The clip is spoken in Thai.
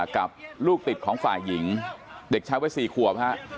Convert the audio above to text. กับลูกติดของฝ่ายหญิงเด็กชายไว้๔ขวบฮะ